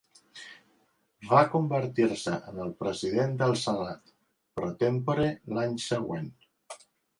Va convertir-se en el president del Senat "pro tempore" l'any següent.